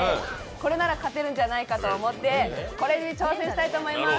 これなら勝てるんじゃないかと思って、これで挑戦したいと思います。